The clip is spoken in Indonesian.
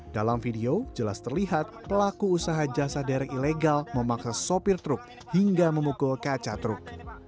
dalam video jelas terlihat pelaku usaha jasa derek ilegal memaksa sopir truk hingga memukul kaca truk